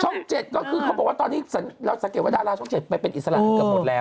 ๗ก็คือเขาบอกว่าตอนนี้เราสังเกตว่าดาราช่อง๗ไปเป็นอิสระเกือบหมดแล้ว